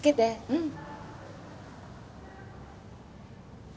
うん。